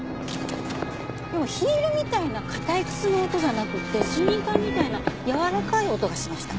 でもヒールみたいな硬い靴の音じゃなくてスニーカーみたいなやわらかい音がしました。